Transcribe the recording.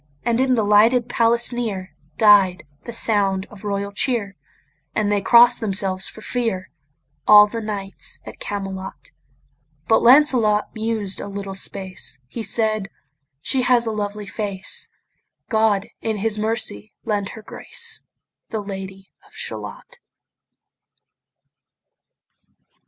And in the lighted palace near Died the sound of royal cheer; And they cross'd themselves for fear, All the knights at Camelot: But Lancelot mused a little space; He said, "She has a lovely face; God in his mercy lend her grace, The Lady of Shalott."